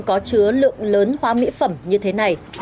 có chứa lượng lớn hóa mỹ phẩm như thế này